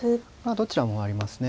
どちらもありますね